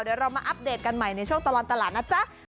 เดี๋ยวเรามาอัปเดตกันใหม่ในช่วงตลอดตลาดนะจ๊ะ